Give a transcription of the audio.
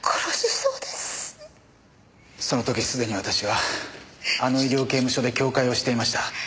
その時すでに私はあの医療刑務所で教誨をしていました。